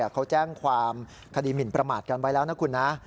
เขาแจ้งความคดีหมินประมาทกันไว้แล้วนะคุณนะ